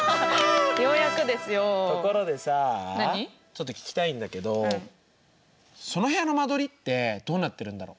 ちょっと聞きたいんだけどその部屋の間取りってどうなってるんだろ？